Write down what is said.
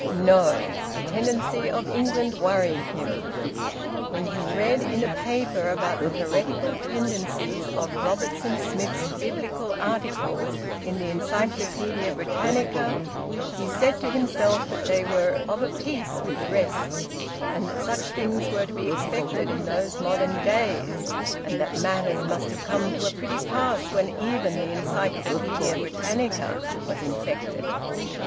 No! The tendencies of England worried him. When he read in a paper about the heretical tendencies of Robertson Smith's Biblical articles in the "Encyclopaedia Britannica," he said to himself that they were of a piece with the rest, and that such things were to be expected in those modern days, and that matters must have come to a pretty pass when even the "Encyclopaedia Britannica" was infected.